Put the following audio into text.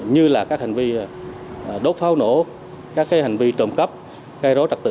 như là các hành vi đốt pháo nổ các hành vi trộm cắp gây rối trật tự